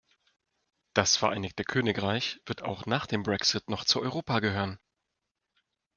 Das Vereinigte Königreich wird auch nach dem Brexit noch zu Europa gehören.